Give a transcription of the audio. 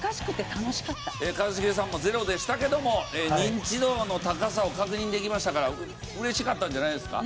一茂さんもゼロでしたけどもニンチドの高さを確認できましたから嬉しかったんじゃないですか？